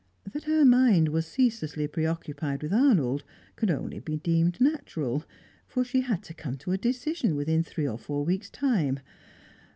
That her mind was ceaselessly preoccupied with Arnold could only be deemed natural, for she had to come to a decision within three or four weeks' time.